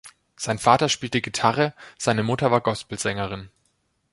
Sein Vater spielte Gitarre, seine Mutter war Gospel-Sängerin.